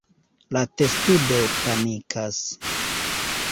La testudo panikas.